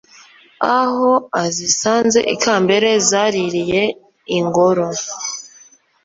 Aho azisanze ikambere Zaraririye ingoro